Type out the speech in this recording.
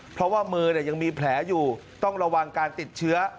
เพราะว่ามือยังมีแผลอยู่ต้องระวังการติดเชื้อ